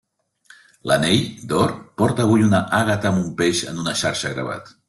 L'anell, d'or, porta avui una àgata amb un peix en una xarxa gravat.